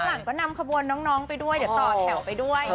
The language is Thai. หลังก็นำขบวนน้องไปด้วยเดี๋ยวต่อแถวไปด้วย